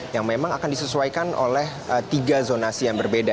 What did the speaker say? yang memang akan disesuaikan oleh tiga zonasi yang berbeda